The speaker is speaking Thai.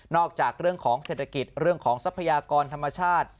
อกจากเรื่องของเศรษฐกิจเรื่องของทรัพยากรธรรมชาติ